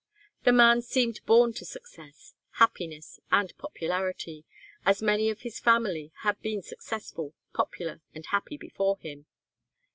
The man seemed born to success, happiness and popularity, as many of his family had been successful, popular and happy before him.